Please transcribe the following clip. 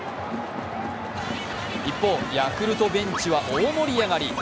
一方、ヤクルトベンチは大盛り上がり。